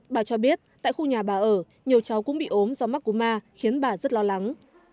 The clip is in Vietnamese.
bà cho biết tại khu nhà bà ở nhiều cháu cũng bị ốm do mắc cú ma khiến bà rất lo lắng